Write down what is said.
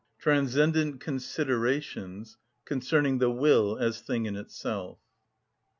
Transcendent Considerations Concerning The Will As Thing In Itself.